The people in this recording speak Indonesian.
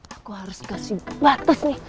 aku harus kasih batas nih